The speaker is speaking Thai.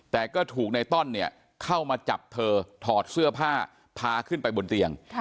แต่ก็ถูกในต้อนเนี่ยเข้ามาจับเธอถอดเสื้อผ้าพาขึ้นไปบนเตียง